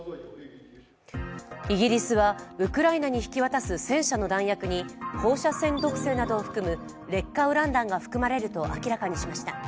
イギリスはウクライナに引き渡す戦車の弾薬に放射線毒性などを含む劣化ウラン弾が含まれると明らかにしました。